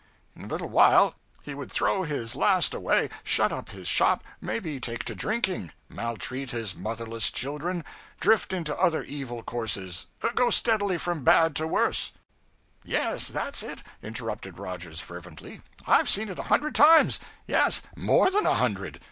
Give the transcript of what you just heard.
In a little while he would throw his last away, shut up his shop, maybe take to drinking, maltreat his motherless children, drift into other evil courses, go steadily from bad to worse ' 'Yes, that's it,' interrupted Rogers, fervently, 'I've seen it a hundred times yes, more than a hundred.